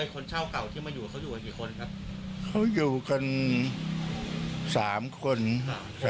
คนเจ้าเก่าที่มาอยู่เค้าอยู่กับกี่คนครับ